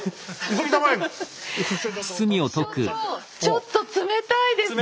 ちょっと冷たいですよ！